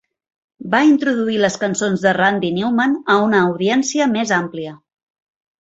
Va introduir les cançons de Randy Newman a una audiència més àmplia.